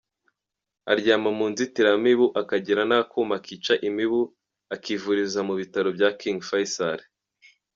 Aryama mu nzitiramibu, akagira n’akuma kica imibu, akivuriza mu bitaro bya King Faisal.